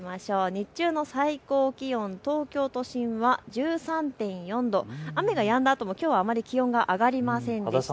日中の最高気温、東京都心は１３．４度、雨がやんだあともきょうはあまり気温が上がりませんでした。